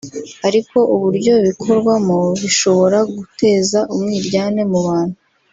ariko uburyo bikorwamo bishobora guteza umwiryane mu bantu”